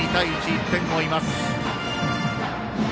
１点を追います。